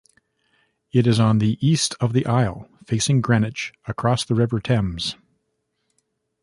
It is on the east of the Isle, facing Greenwich across the River Thames.